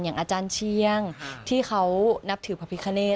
อย่างอาจารย์เชียงที่เขานับถือพระพิคเนต